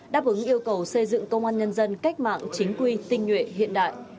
đáp ứng yêu cầu xây dựng công an nhân dân cách mạng chính quy tinh nhuệ hiện đại